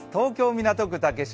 ・港区竹芝